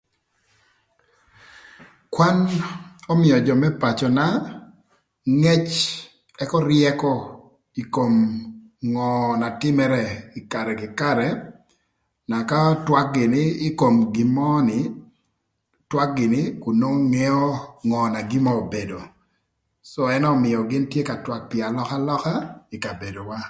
Kwan ömïö jö më pacöna ngëc ëka ryëkö ï kom ngö na tïmërë karë kï karë na ka twak gïnï ï kom gin mörö ni, twak gïnï nakun nwongo ngeo ngö na gin nön obedo cë ënë ömïögï tye ka twak pï alökalöka ï kabedowa.